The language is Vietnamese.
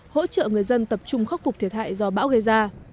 hỗ trợ người dân tập trung khắc phục thiệt hại do bão gây ra